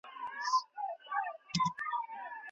که وارداتي خواړه وپلټل سي، نو بې کیفیته توکي نه راداخلیږي.